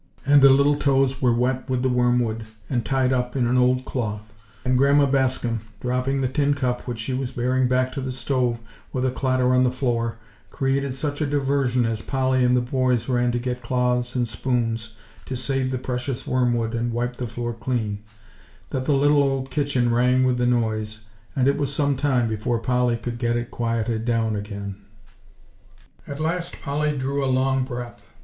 And the little toes were wet with the wormwood, and tied up in an old cloth; and Grandma Bascom, dropping the tin cup which she was bearing back to the stove, with a clatter on the floor, created such a diversion as Polly and the boys ran to get cloths and spoons to save the precious wormwood and wipe the floor clean, that the little old kitchen rang with the noise, and it was some time before Polly could get it quieted down again. At last Polly drew a long breath.